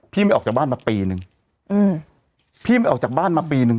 ไม่ออกจากบ้านมาปีนึงอืมพี่ไม่ออกจากบ้านมาปีนึง